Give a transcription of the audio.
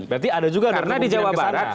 berarti ada juga karena di jawa barat